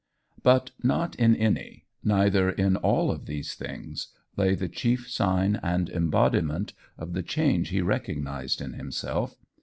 But not in any, neither in all of these things lay the chief sign and embodiment of the change he recognised in himself.